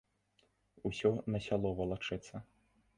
Усё на сяло валачэцца.